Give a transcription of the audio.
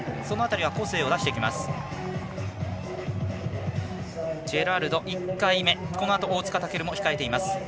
その辺りは個性を出してきます。